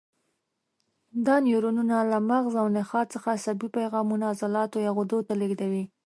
دا نیورونونه له مغز او نخاع څخه عصبي پیغامونه عضلاتو یا غدو ته لېږدوي.